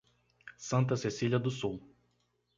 Santa Cecília do Sul